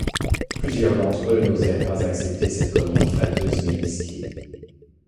Plusieurs d’entre eux n’osèrent pas accepter cette commande flatteuse mais risquée.